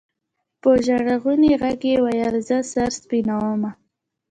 په ژړغوني ږغ يې ويل زه سر سپينومه.